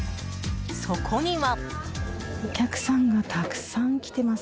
そこには。